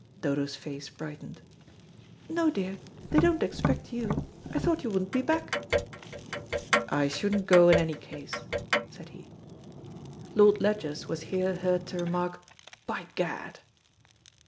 Dodo's face brightened. "No, dear, they don't expect you. I thought you wouldn't be back." "I shouldn't go in any case," said he. Lord Ledgers was here heard to remark "By Gad!"